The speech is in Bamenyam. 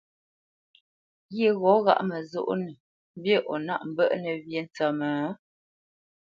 Ghyê ghɔ́ ŋgáʼ məzónə́nə mbî o nâʼ mbə́ʼnə̄ wyê ntsə́mə́?